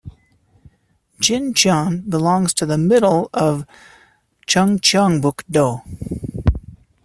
Jincheon belongs to the middle of Chungcheongbuk-do.